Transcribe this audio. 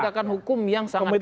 penegakan hukum yang sangat